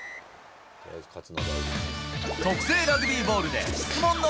特製ラグビーボールで質問の